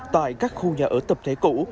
tại các khu nhà ở tập thể cũ